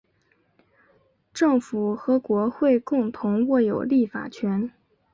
政府和国会共同握有立法权。